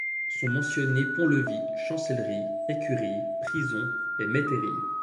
Sont mentionnés pont-levis, chancellerie, écurie, prison, et métairie.